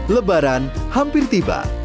lebaran hampir tiba